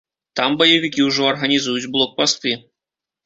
Там баевікі ўжо арганізуюць блокпасты.